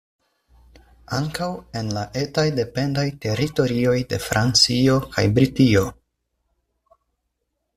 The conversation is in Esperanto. Ankaŭ en la etaj dependaj teritorioj de Francio kaj Britio.